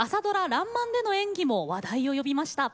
「らんまん」での演技も話題を呼びました。